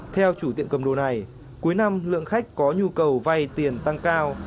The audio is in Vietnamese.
theo chủ tiệm cầm đồ này cuối năm lượng khách có nhu cầu vay tiền tăng cao